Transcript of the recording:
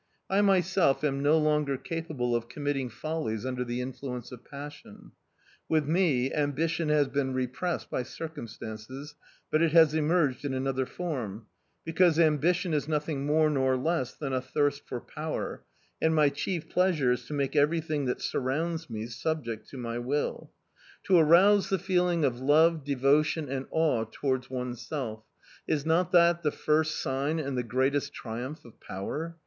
I myself am no longer capable of committing follies under the influence of passion; with me, ambition has been repressed by circumstances, but it has emerged in another form, because ambition is nothing more nor less than a thirst for power, and my chief pleasure is to make everything that surrounds me subject to my will. To arouse the feeling of love, devotion and awe towards oneself is not that the first sign, and the greatest triumph, of power?